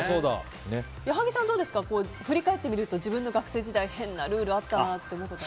矢作さん、振り返ってみると自分の学生時代に変なルールがあったなというのは。